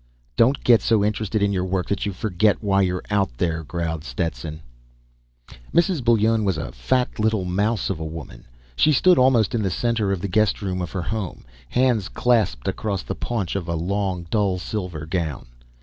"_ "Don't get so interested in your work that you forget why you're out there," growled Stetson. Mrs. Bullone was a fat little mouse of a woman. She stood almost in the center of the guest room of her home, hands clasped across the paunch of a long, dull silver gown.